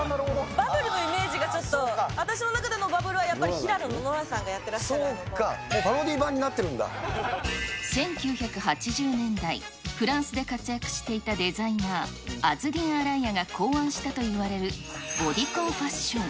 バブルのイメージがちょっと、私の中でのバブルは、やっぱり平そうか、もうパロディー版に１９８０年代、フランスで活躍していたデザイナー、アズディン・アライアが考案したといわれるボディコンファッション。